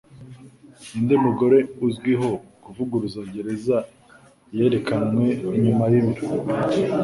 Ninde Mugore Uzwiho Kuvugurura Gereza Yerekanwe Inyuma Yibiro